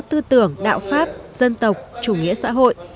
tư tưởng đạo pháp dân tộc chủ nghĩa xã hội